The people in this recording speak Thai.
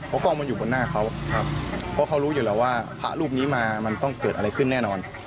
เพราะกล้องมันอยู่บนหน้าเขาเพราะเขารู้อยู่แล้วว่าพระรูปนี้มามันต้องเกิดอะไรขึ้นแน่นอน